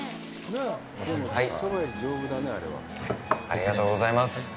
ありがとうございます。